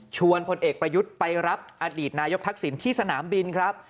พลเอกประยุทธ์ไปรับอดีตนายกทักษิณที่สนามบินครับ